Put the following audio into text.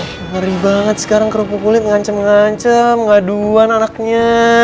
ih ngeri banget sekarang kerupuk kulit ngancem ngancem gak duan anaknya